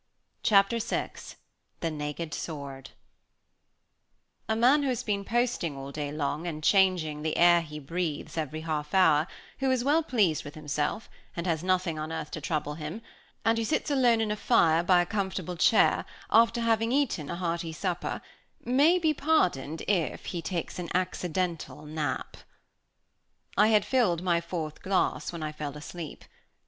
Chapter VI THE NAKED SWORD A man who has been posting all day long, and changing the air he breathes every half hour, who is well pleased with himself, and has nothing on earth to trouble him, and who sits alone by a fire in a comfortable chair after having eaten a hearty supper, may be pardoned if he takes an accidental nap. I had filled my fourth glass when I fell asleep.